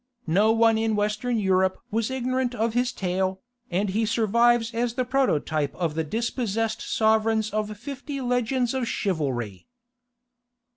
No one in Western Europe was ignorant of his tale, and he survives as the prototype of the dispossessed sovereigns of fifty legends of chivalry.